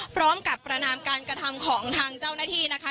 ประนามการกระทำของทางเจ้าหน้าที่นะคะ